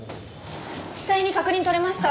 地裁に確認取れました。